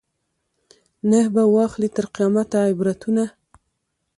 نه به واخلي تر قیامته عبرتونه